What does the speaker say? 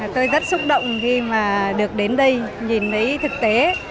tôi rất xúc động khi mà được đến đây nhìn thấy thực tế